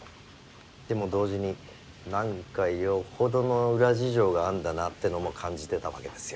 でも同時に何かよほどの裏事情があんだなってのも感じてたわけですよ。